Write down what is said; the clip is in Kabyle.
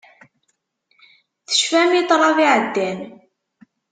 Tecfamt i ṭṭrad iɛeddan.